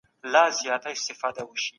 د اسلام تګلاره منځنۍ تګلاره ده.